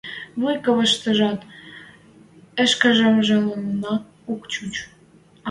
Вуй каваштыжат ӹшкӹмжӹнлӓ ак чуч.